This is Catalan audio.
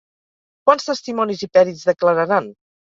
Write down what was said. Quants testimonis i pèrits declararan?